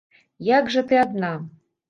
Як жа ты адна?